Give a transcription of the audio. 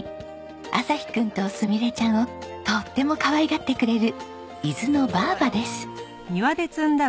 旭くんと菫ちゃんをとてもかわいがってくれる伊豆のばあばです。